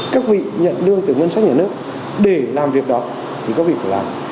các vị nhận đương từ ngân sách nhà nước để làm việc đó thì các vị phải làm